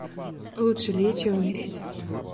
Лучше лечь и умереть.